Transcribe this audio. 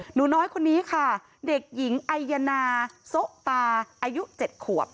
หนูน้อยคนนี้ค่ะเด็กหญิงไอยนาโซะตาอายุ๗ขวบ